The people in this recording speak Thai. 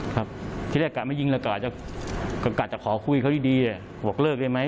ครับที่แรกกะไม่ยิงแล้วกะจะกะจะขอคุยเขาดีบอกเลิกได้ไหม